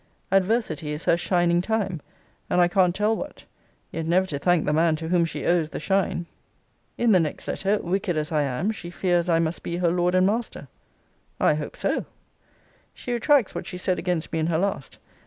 'Adversity is her shining time,' and I can't tell what; yet never to thank the man to whom she owes the shine! In the next letter,* wicked as I am, 'she fears I must be her lord and master.' * See Letter XXIX. of this volume. I hope so. She retracts what she said against me in her last.